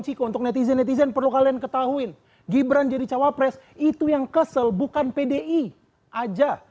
ciko untuk netizen netizen perlu kalian ketahuin gibran jadi cawapres itu yang kesel bukan pdi aja